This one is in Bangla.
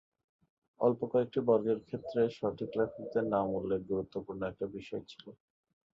অল্প কয়েকটি বর্গের ক্ষেত্রে সঠিক লেখকের নাম উল্লেখ গুরুত্বপূর্ণ একটি বিষয় ছিল।